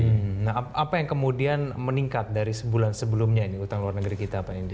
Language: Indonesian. nah apa yang kemudian meningkat dari sebulan sebelumnya ini utang luar negeri kita pak indra